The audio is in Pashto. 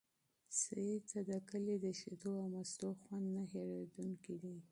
سعید ته د کلي د شیدو او مستو خوند نه هېرېدونکی دی.